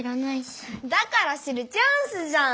だから知るチャンスじゃん！